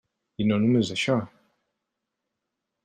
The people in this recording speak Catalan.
I no només això.